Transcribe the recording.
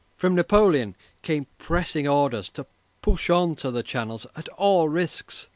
From Napoleon came pressing orders to push on to the Channel at all risks.